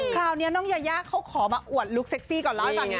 คราวนี้น้องยายาเข้าขอมาอวดลุ๊กเซคซี่ก่อนแล้วให้ฟังก่อน